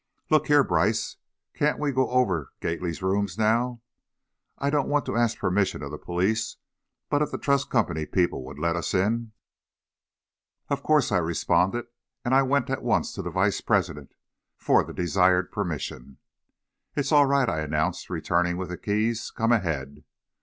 "Look here, Brice, can't we go over Gately's rooms now? I don't want to ask permission of the police, but if the Trust Company people would let us in " "Of course," I responded, and I went at once to the vice president for the desired permission. "It's all right," I announced, returning with the keys, "come ahead."